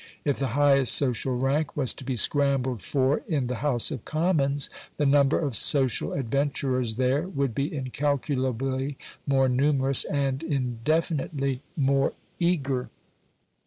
If the highest social rank was to be scrambled for in the House of Commons, the number of social adventurers there would be incalculably more numerous, and indefinitely more eager.